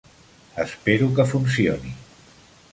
Espero que funcioni.